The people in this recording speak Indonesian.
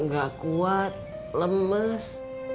gak kuat lemes